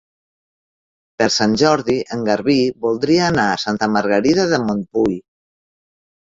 Per Sant Jordi en Garbí voldria anar a Santa Margarida de Montbui.